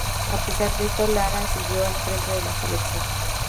A pesar de esto Lara siguió al frente de la selección.